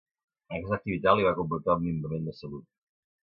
Aquesta activitat li va comportar un minvament de salut.